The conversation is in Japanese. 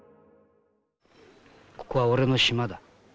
ここは俺のシマだ。